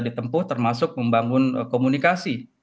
ditempuh termasuk membangun komunikasi